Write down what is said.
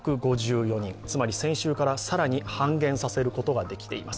つまり先週から更に半減させることができています。